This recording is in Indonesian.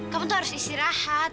kamu tuh harus istirahat